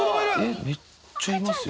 めっちゃいますよ